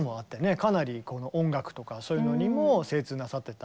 かなり音楽とかそういうのにも精通なさってた。